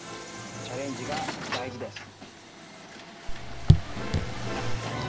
チャレンジがだいじです。